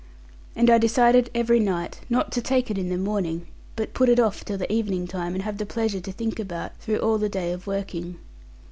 And I decided every night, not to take it in the morning, but put it off till the evening time, and have the pleasure to think about, through all the day of working.